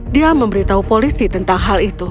dia memberitahu polisi tentang hal itu